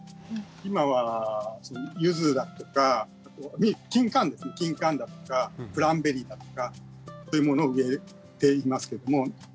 今はユズだとかキンカンだとかグランベリーだとかそういうものを植えていますけども。